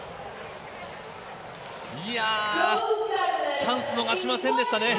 チャンス、逃しませんでしたね。